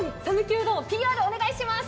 お願いします。